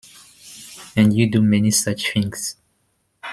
And you do many such things.